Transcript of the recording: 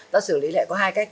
ta xử lý lại có hai cách